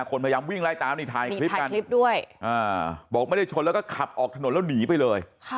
คนพยายามวิ่งไล่ตามนี่ถ่ายคลิปกันคลิปด้วยบอกไม่ได้ชนแล้วก็ขับออกถนนแล้วหนีไปเลย